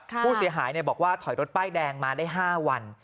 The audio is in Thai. ผู้เสียหายบอกว่าถอยรถป้ายแดงมาได้๕วัน